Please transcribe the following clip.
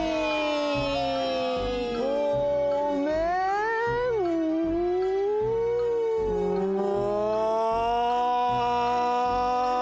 ごめん。も。